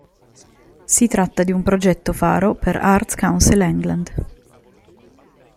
Si tratta di un progetto faro per Arts Council England.